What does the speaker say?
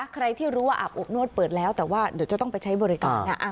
ใครที่รู้ว่าอาบอบนวดเปิดแล้วแต่ว่าเดี๋ยวจะต้องไปใช้บริการนะ